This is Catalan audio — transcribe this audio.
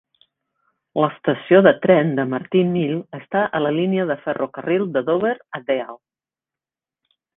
L'estació de tren de Martin Mill està a la línia de ferrocarril de Dover a Deal.